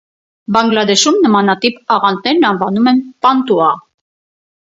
Բանգլադեշում նմանատիպ աղանդերն անվանում են պանտուա։